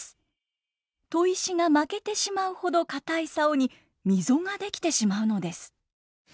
砥石が負けてしまうほど硬い棹に溝が出来てしまうのです。